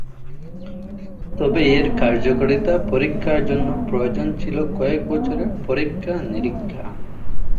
তবে এর কার্যকারিতা পরীক্ষার জন্য প্রয়োজন ছিল কয়েক বছরের পরীক্ষা-নিরীক্ষা।